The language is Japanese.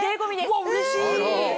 うわうれしい！